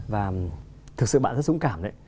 và thực sự bạn rất dũng cảm đấy